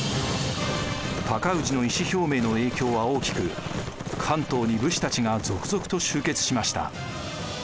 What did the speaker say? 高氏の意思表明の影響は大きく関東に武士たちが続々と集結しました。